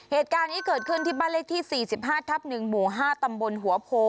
เหตุการณ์นี้เกิดขึ้นที่บ้านเลขที่๔๕ทับ๑หมู่๕ตำบลหัวโพ